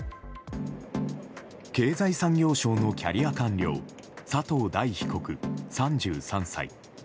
経済産業省のキャリア官僚佐藤大被告、３３歳。